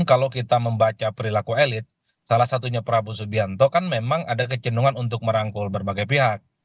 kalau kita membaca perilaku elit salah satunya prabowo subianto kan memang ada kecendungan untuk merangkul berbagai pihak